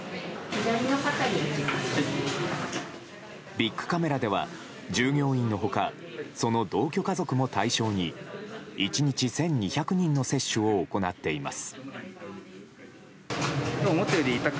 ビックカメラでは従業員の他その同居家族も対象に１日１２００人の接種を行っています。